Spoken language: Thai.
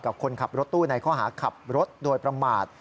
คนขับรถตู้ในข้อหาขับรถโดยประมาท